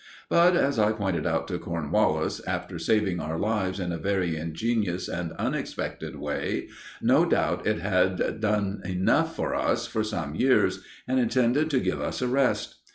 But as I pointed out to Cornwallis, after saving our lives in a very ingenious and unexpected way, no doubt it had done enough for us for some years, and intended to give us a rest.